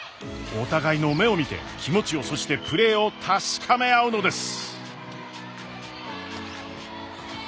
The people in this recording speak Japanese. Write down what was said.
お互いの目を見て気持ちをそしてプレーを確かめ合うのです。